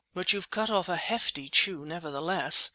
"But you've cut off a pretty hefty chew nevertheless.